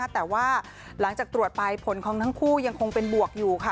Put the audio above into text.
แต่ว่าหลังจากตรวจไปผลของทั้งคู่ยังคงเป็นบวกอยู่ค่ะ